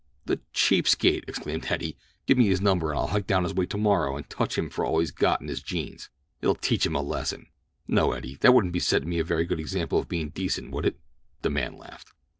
"The cheap skate!" exclaimed Eddie. "Gimme his number, and I'll hike down his way tomorrow and touch him for all he's got in his jeans—it'll teach him a lesson." "No, Eddie, that wouldn't be setting me a very good example of being decent, would it?" The man laughed.